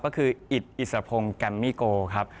ก็คืออิทศพงศ์แกรมมิโกครับ